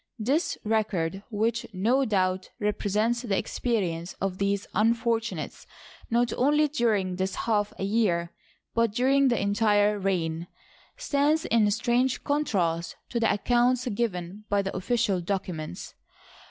This record, whicn no doubt represents the experience of these unfortunates not only during this half a year, but during the entire reign, stands in strange contrast to the accounts given by the official documents.